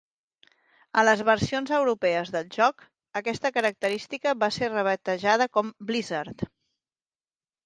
A les versions europees del joc, aquesta característica va ser rebatejada com Blizzard.